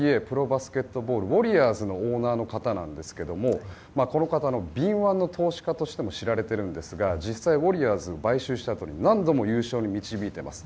ＮＢＡ、ウォリアーズのオーナーの方なんですがこの方、敏腕な投資家としても知られているんですが実際、ウォリアーズを買収したあとに何度も優勝に導いています。